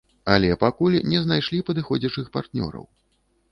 Але пакуль не знайшлі падыходзячых партнёраў.